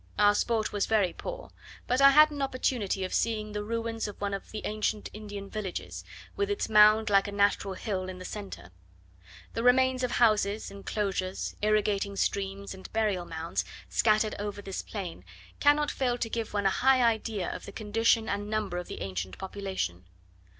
Our sport was very poor; but I had an opportunity of seeing the ruins of one of the ancient Indian villages, with its mound like a natural hill in the centre. The remains of houses, enclosures, irrigating streams, and burial mounds, scattered over this plain, cannot fail to give one a high idea of the condition and number of the ancient population.